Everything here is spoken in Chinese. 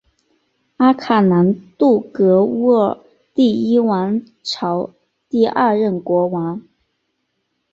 阿卡兰杜格乌尔第一王朝第二任国王。